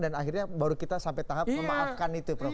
dan akhirnya baru kita sampai tahap memaafkan itu prof